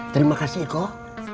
terima kasih ikoh